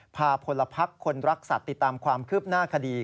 พาพลพักคนรักสัตว์ติดตามความคืบหน้าคดี